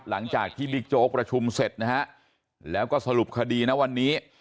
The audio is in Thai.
หลังจากที่บิ๊กโจ๊กประชุมเสร็จนะฮะแล้วก็สรุปคดีนะวันนี้